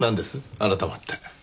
改まって。